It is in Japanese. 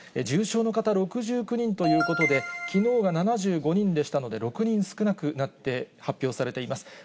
重症の方６９人ということで、きのうが７５人でしたので、６人少なくなって発表されています。